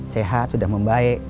sehat sudah membaik